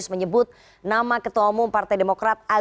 selamat malam mbak rifana